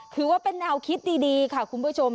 ถือว่าเป็นแนวคิดดีค่ะคุณผู้ชม